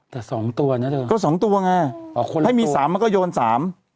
แต่สองตัวเนี่ยเหรอก็สองตัวไงให้มีสามมันก็โยนสาม